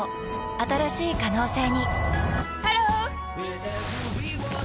新しい可能性にハロー！